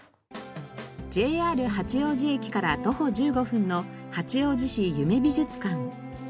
ＪＲ八王子駅から徒歩１５分の八王子市夢美術館。